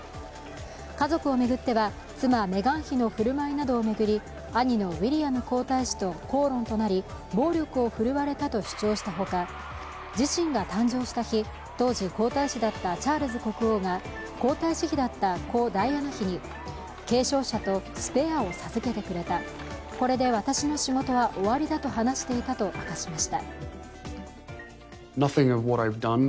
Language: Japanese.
家族を巡っては、妻・メガン妃の振る舞いなどを巡り兄のウィリアム皇太子と口論となり暴力を振るわれたと主張したほか、自身が誕生した日、当時皇太子だったチャールズ国王が皇太子妃だった故ダイアナ妃に継承者とスペアを授けてくれた、これで私の仕事は終わりだと話していたと明かしました。